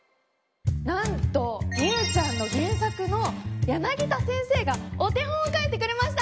なんとみゅーちゃんの原作の柳田先生がお手本を描いてくれました！